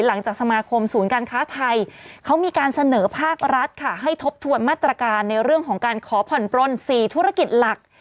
สมาคมศูนย์การค้าไทยเขามีการเสนอภาครัฐค่ะให้ทบทวนมาตรการในเรื่องของการขอผ่อนปลน๔ธุรกิจหลัก